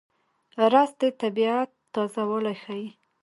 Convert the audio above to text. رس د طبیعت تازهوالی ښيي